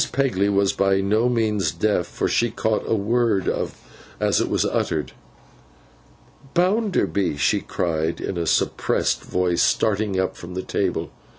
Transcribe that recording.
Pegler was by no means deaf, for she caught a word as it was uttered. 'Bounderby!' she cried, in a suppressed voice, starting up from the table.